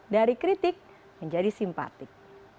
dari kritik menjadi simpatik